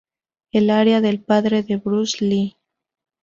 Él era el padre de Bruce Lee.